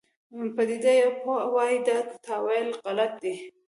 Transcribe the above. پدیده پوه وایي دا تاویل غلط دی.